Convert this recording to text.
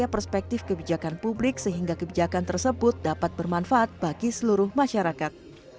dan memperkaya perspektif kebijakan publik sehingga kebijakan tersebut dapat bermanfaat bagi seluruh masyarakat